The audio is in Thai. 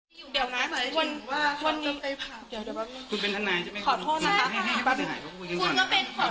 เอ่อเดี๋ยวนะว่าเว่นวันนี้เถิดไปผ่านเดี๋ยวเดี๋ยวแวบนี้